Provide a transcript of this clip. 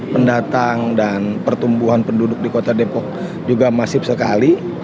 pendatang dan pertumbuhan penduduk di kota depok juga masif sekali